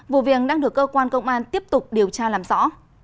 vụ viện đang được cơ quan công an tiếp tục điều tra làm rõ